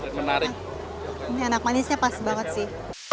ini enak manisnya pas banget sih